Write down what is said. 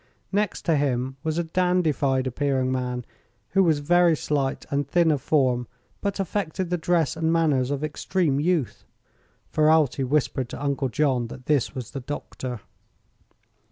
Next to him was a dandified appearing man who was very slight and thin of form but affected the dress and manners of extreme youth. Ferralti whispered to Uncle John that this was the doctor.